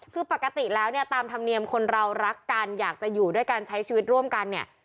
คือปกติแล้วเนี่ยตามธรรมเนียมคนเรารักกันอยากจะอยู่ด้วยกันใช้ชีวิตร่วมกันเนี่ย